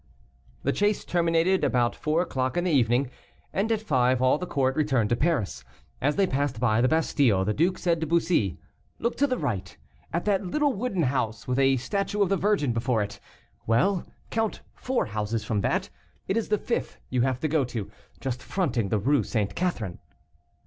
The chase terminated about four o'clock in the evening, and at five all the court returned to Paris. As they passed by the Bastile, the duke said to Bussy, "Look to the right, at that little wooden house with a statue of the Virgin before it; well, count four houses from that. It is the fifth you have to go to, just fronting the Rue St. Catherine."